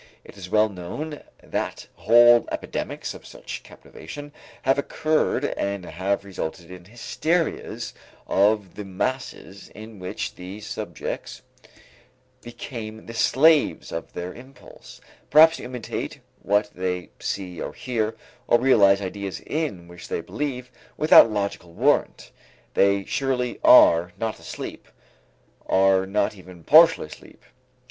It is well known that whole epidemics of such captivation have occurred and have resulted in hysterias of the masses in which the subjects become the slaves of their impulse, perhaps to imitate what they see or hear, or to realize ideas in which they believe without logical warrant. They surely are not asleep, are not even partially asleep.